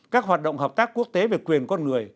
các hoạt động hợp tác quốc tế về quyền con người